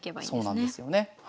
そうなんですよね。